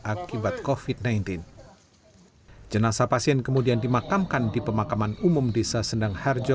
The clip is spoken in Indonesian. akibat kofit sembilan belas jenazah pasien kemudian dimakamkan di pemakaman umum desa sendang harjo